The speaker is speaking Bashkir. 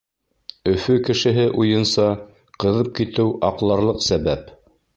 Өфө кешеһе уйынса, ҡыҙып китеү — аҡларлыҡ сәбәп.